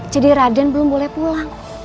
jadi raden belum boleh pulang